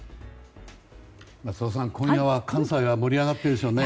松尾さん、今夜は関西が盛り上がっているでしょうね。